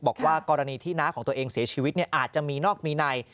บอกว่ากรณีที่น้าของตัวเองเสียชีวิตอาจจะมีนอกมีใน